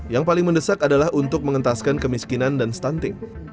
yang paling mendesak adalah untuk mengentaskan kemiskinan dan stunting